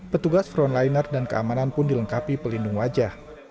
petugas frontliner dan keamanan pun dilengkapi pelindung wajah